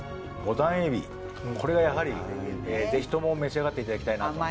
ぼたん海老これがやはりぜひとも召し上がっていただきたいなと。